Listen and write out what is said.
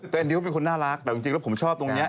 แต่อันนี้เขาเป็นคนน่ารักแต่จริงแล้วผมชอบตรงนี้